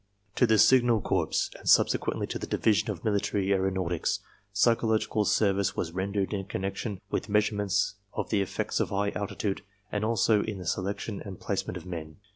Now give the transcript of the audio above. To the Signal Corps, and subsequently to the Division of Military Aeronautics, psychological service was rendered in connection with measurement of the effects of 'high altitude and also in the selection and placement of men.